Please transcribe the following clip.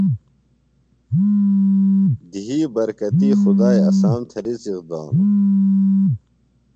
دھئی برکتیۡ خدائی اسام تھےۡ رزق دانوۡ۔